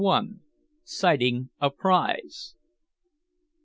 SIGHTING A PRIZE.